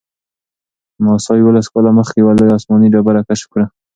ناسا یوولس کاله مخکې یوه لویه آسماني ډبره کشف کړه.